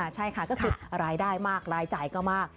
ใช่ค่ะก็คือรายได้มากรายจ่ายก็มาก